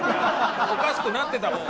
おかしくなってたもん。